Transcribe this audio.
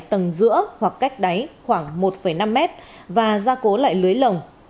tầng giữa hoặc cách đáy khoảng một năm m và ra cố lại lưới lồng